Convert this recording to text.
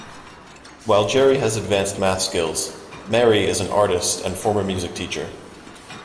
While Jerry has advanced math skills, Mary is an artist and former music teacher.